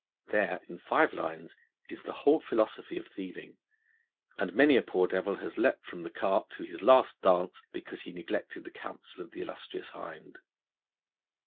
There, in five lines, is the whole philosophy of thieving, and many a poor devil has leapt from the cart to his last dance because he neglected the counsel of the illustrious Hind.